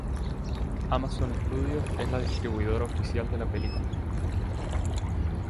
Amazon Studios es la distribuidora oficial de la película.